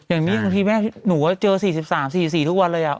อย่างนี้หรือที่แม่หนูว่าเจอ๔๓๔๔ทุกวันเลยอ่ะ